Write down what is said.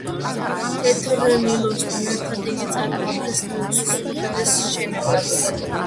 თეთრ ნილოსთან ერთად იგი წარმოადგენს ნილოსის უდიდეს შენაკადს.